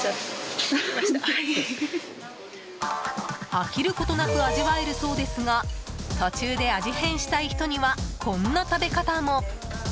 飽きることなく味わえるそうですが途中で味変したい人にはこんな食べ方も。